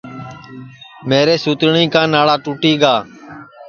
میرے سُتٹؔی کا ناڑا ٹُوٹی گا